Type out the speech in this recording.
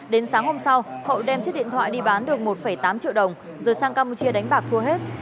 đến sáng hôm sau hậu đem chiếc điện thoại đi bán được một tám triệu đồng rồi sang campuchia đánh bạc thua hết